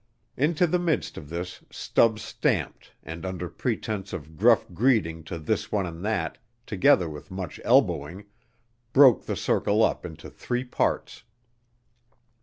Into the midst of this Stubbs stamped and under pretence of gruff greeting to this one and that, together with much elbowing, broke the circle up into three parts.